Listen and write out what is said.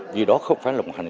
vì đó không phải là một hành vi